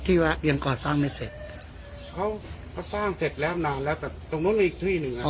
แวะเวียนก่อสร้างไม่เสร็จเขาเขาสร้างเสร็จแล้วนานแล้วแต่ตรงนู้นมีอีกที่หนึ่งอ่ะ